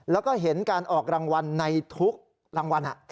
แล้วก็เห็นการออกรางวัลในทุกรางวัล